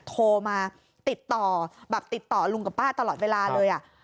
โทรมาติดต่อแบบติดต่อลุงกับป้าตลอดเวลาเลย